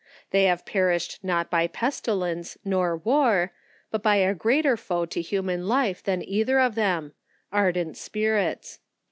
9 '— They have perished, not by pestilence, nor war, but by a greater foe to human life than either of them — Ardent Spirits.